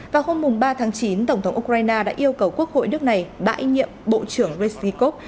vào hôm ba tháng chín tổng thống ukraine đã yêu cầu quốc hội nước này bãi nhiệm bộ trưởng rishnikov